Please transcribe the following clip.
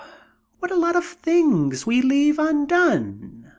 What a lot of things we leave undone!